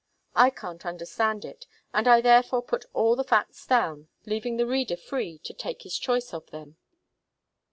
I can't understand it, and I therefore put all the facts down, leaving the reader free to take his choice of them.